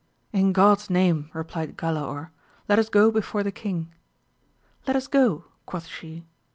In God's name, replied Galaor, let us go before the king. Let us go, quoth she.